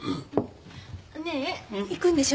ねえ行くんでしょ？